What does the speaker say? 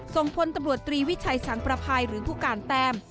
ส่งพลตำรวจตรีวิชัยสังประภัยหรือผู้การแต้ม